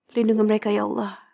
lindungi mereka ya allah